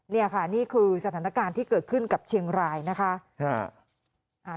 นี่ค่ะนี่คือสถานการณ์ที่เกิดขึ้นกับเชียงรายนะคะ